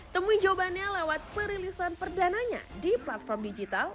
temui jawabannya lewat perilisan perdananya di platform digital